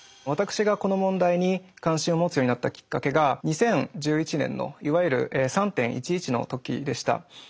私がこの問題に関心を持つようになったきっかけが２０１１年のいわゆる３．１１の時でした。